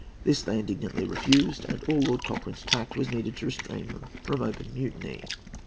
This they indignantly refused, and all Lord Cochrane's tact was needed to restrain them from open mutiny.